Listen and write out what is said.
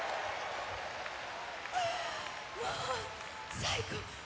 もう最高。